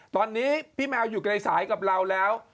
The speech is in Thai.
ตอนนี้พี่แมวอยู่ไกลสายกับเราแล้ว